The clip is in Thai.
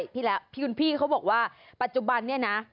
พี่แล้วพี่คุณพี่เขาบอกว่าปัจจุบันเนี่ยนะ